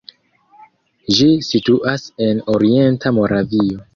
Ĝi situas en orienta Moravio.